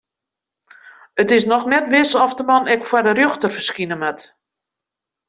It is noch net wis oft de man ek foar de rjochter ferskine moat.